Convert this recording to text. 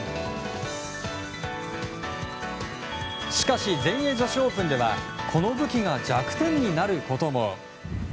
しかし、全英女子オープンではこの武器が弱点になることも。